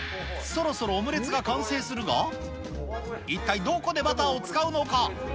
そろそろオムレツが完成するが、一体どこでバターを使うのか？